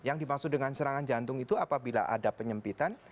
yang dimaksud dengan serangan jantung itu apabila ada penyempitan